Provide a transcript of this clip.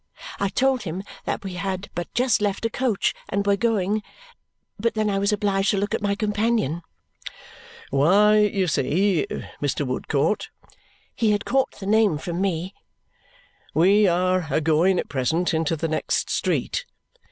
I told him that we had but just left a coach and were going but then I was obliged to look at my companion. "Why, you see, Mr. Woodcourt" he had caught the name from me "we are a going at present into the next street.